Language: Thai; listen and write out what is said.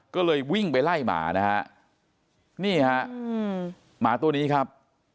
ก็เลยวิ่งไปไล่หมานะฮะนี่ฮะหมาตัวนี้ครับ